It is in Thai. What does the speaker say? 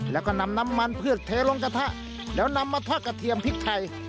แล้วก็นำน้ำมันเผือกเทลงกระทะแล้วนำมาทอดกระเทียมพริกไทย